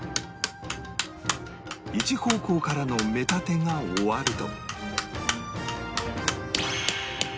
一方向からの目立てが終わると